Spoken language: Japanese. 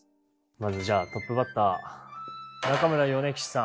まずじゃあトップバッター中村米吉さん。